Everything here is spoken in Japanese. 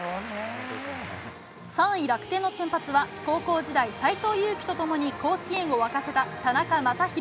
３位、楽天の先発は高校時代、斎藤佑樹と共に甲子園を沸かせた田中将大。